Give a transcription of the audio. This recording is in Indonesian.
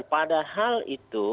dan padahal itu